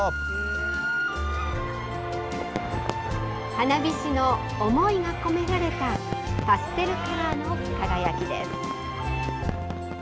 花火師の思いが込められたパステルカラーの輝きです。